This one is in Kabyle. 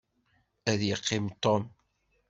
Ad yeqqim Tom.